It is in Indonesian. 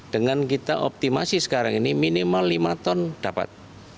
dengan kita optimasi sekarang ini minimal lima ton dapat